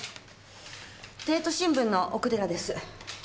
帝都新聞の奥寺です。